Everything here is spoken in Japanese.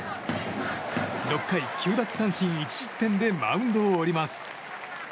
６回９奪三振１失点でマウンドを降ります。